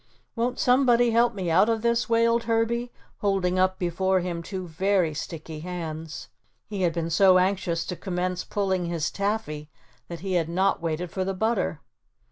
"Won't somebody help me out of this?" wailed Herbie, holding up before him two very sticky hands. He had been so anxious to commence pulling his taffy that he had not waited for the butter.